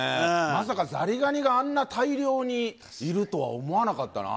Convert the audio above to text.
まさかザリガニがあんな大量にいるとは思わなかったな。